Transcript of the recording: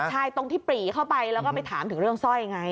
ใช่ตรงที่ปรีเข้าไปแล้วก็ไปถามถึงเรื่องสร้อยไง